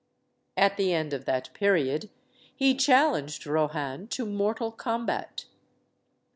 At the end of that period, he challenged Rohan to mortal combat.